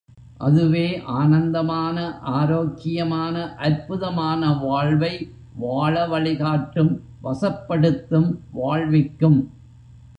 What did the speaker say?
அதுவே ஆனந்தமான, ஆரோக்கியமான, அற்புதமான வாழ்வை வாழ வழிகாட்டும், வசப்படுத்தும் வாழ்விக்கும்.